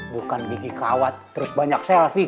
bukan gigi kawat terus banyak selfie